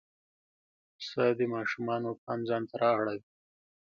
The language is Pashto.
پسه د ماشومانو پام ځان ته را اړوي.